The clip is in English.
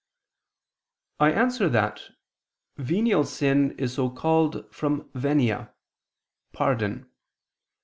I answer that, Venial sin is so called from venia (pardon).